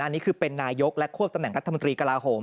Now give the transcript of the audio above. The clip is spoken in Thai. นี่คือเป็นนายกและควบตำแหน่งรัฐมนตรีกระลาโหม